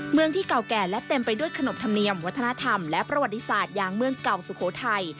เมืองที่เก่าแก่และเต็มไปด้วยขนบธรรมเนียมวัฒนธรรมและประวัติศาสตร์อย่างเมืองเก่าสุโขทัย